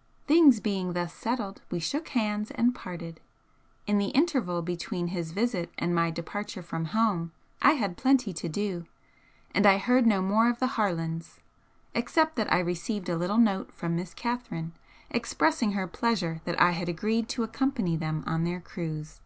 '" Things being thus settled, we shook hands and parted. In the interval between his visit and my departure from home I had plenty to do, and I heard no more of the Harlands, except that I received a little note from Miss Catherine expressing her pleasure that I had agreed to accompany them on their cruise.